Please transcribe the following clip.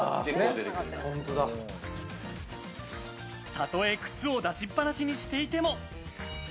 たとえ靴を出しっぱなしにしていても。